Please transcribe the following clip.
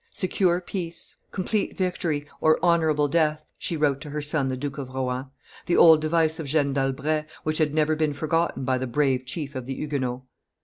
"Secure peace, complete victory, or honorable death," she wrote to her son the Duke of Rohan: the old device of Jeanne d'Albret, which had never been forgotten by the brave chief of the Huguenots.